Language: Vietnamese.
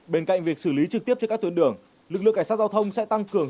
bên cạnh việc xử lý trực tiếp trên các tuyến đường lực lượng cảnh sát giao thông sẽ tăng cường